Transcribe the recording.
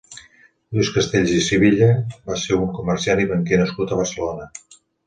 Lluís Castells i Sivilla va ser un comerciant i banquer nascut a Barcelona.